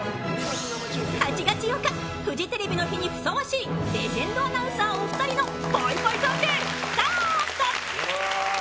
８月８日フジテレビの日にふさわしいレジェンドアナウンサーお二人のぽいぽいトーク、スタート！